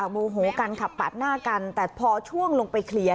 โมโหกันขับปาดหน้ากันแต่พอช่วงลงไปเคลียร์